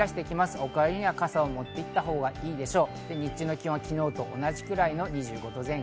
お帰りには傘を持っていったほうがいいでしょう。